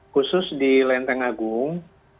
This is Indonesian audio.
khusus di lenteng agung